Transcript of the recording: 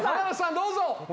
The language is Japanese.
どうぞ。